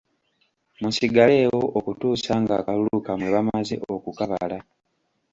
Musigaleewo okutuusa ng'akalulu kammwe bamaze okukabala.